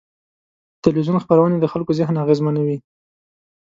د تلویزیون خپرونې د خلکو ذهن اغېزمنوي.